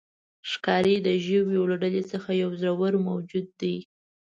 ښکاري د ژویو له ډلې څخه یو زړور موجود دی.